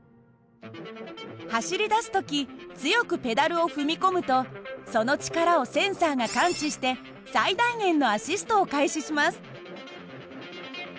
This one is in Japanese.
走り出す時強くペダルを踏み込むとその力をセンサーが感知して最大限のアシストを開始します。